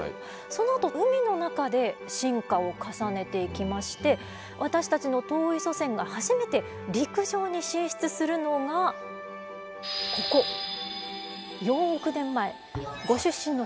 そのあと海の中で進化を重ねていきまして私たちの遠い祖先が初めて陸上に進出するのがここ４億年前ご出身の兵庫県辺りです。